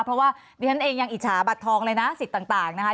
เพราะว่าดิฉันเองยังอิจฉาบัตรทองเลยนะสิทธิ์ต่างนะคะ